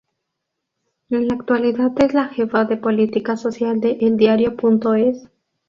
En la actualidad es la jefa de política social de eldiario.es.